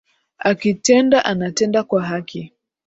Akitenda anatenda kwa haki